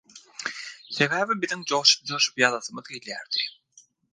Sebäbi biziň joşup-joşup ýazasymyz gelýärdi.